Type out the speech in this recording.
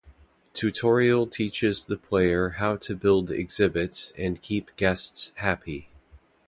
Tutorial teaches the player how to build exhibits and keep guests happy.